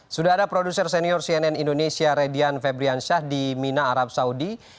sudara produser senior cnn indonesia redian febrian shah di mina arab saudi